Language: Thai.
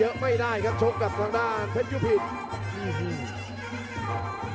เยอะไม่ได้ครับชกกับข้างด้านเพชรยุพิธธิ์